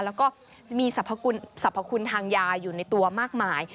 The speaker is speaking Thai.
แล้วก็มีสรรพคุณทางยาอยู่ในตัวมากมาย